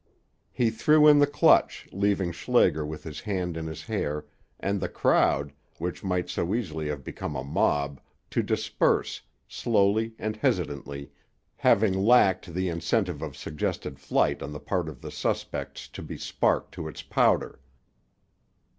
He threw in the clutch, leaving Schlager with his hand in his hair, and the crowd, which might so easily have become a mob, to disperse, slowly and hesitantly, having lacked the incentive of suggested flight on the part of the suspects to be spark to its powder.